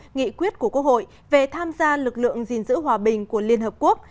nghị quyết của quốc hội về tham gia lực lượng gìn giữ hòa bình của liên hợp quốc